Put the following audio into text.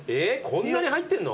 こんなに入ってんの？